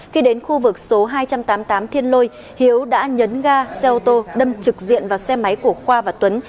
khi đến khu vực số hai trăm tám mươi tám thiên lôi hiếu đã nhấn ga xe ô tô đâm trực diện vào xe máy của khoa và tuấn